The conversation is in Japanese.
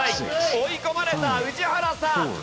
追い込まれた宇治原さん！